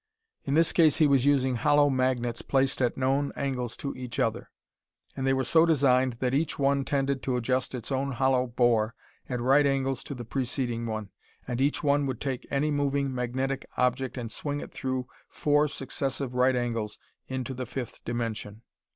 In this case he was using hollow magnets placed at known angles to each other. And they were so designed that each one tended to adjust its own hollow bore at right angles to the preceding one, and each one would take any moving, magnetic object and swing it through four successive right angles into the fifth dimension.